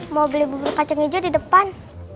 mau beli bubur kacang hijau di depan